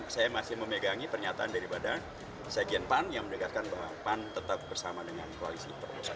saya masih memegangi pernyataan daripada sekjen pan yang mendekatkan bahwa pan tetap bersama dengan koalisi perubahan